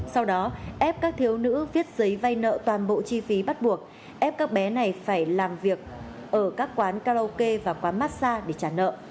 sau đó ép các thiếu nữ viết giấy vay nợ toàn bộ chi phí bắt buộc ép các bé này phải làm việc ở các quán karaoke và quán massag để trả nợ